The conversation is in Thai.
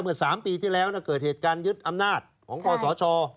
เมื่อ๓ปีที่แล้วเกิดเหตุการณ์ยึดอำนาจของคอสช